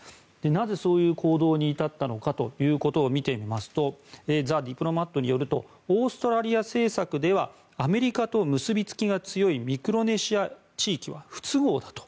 なぜ、そういう行動に至ったのかを見てみますと「ザ・ディプロマット」によるとオーストラリア政策ではアメリカと結びつきが強いミクロネシア地域は不都合だと。